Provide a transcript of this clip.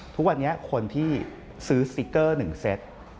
ทุกวันนี้คนที่ซื้อสติ๊กเกอร์๑เซต